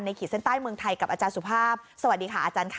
ขีดเส้นใต้เมืองไทยกับอาจารย์สุภาพสวัสดีค่ะอาจารย์ค่ะ